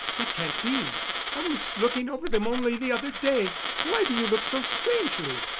"That can't be." "I was looking over them only the other day—why do you look so strangely?"